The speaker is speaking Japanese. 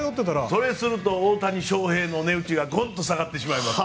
それをすると大谷翔平の値打ちがゴンと下がってしまいます。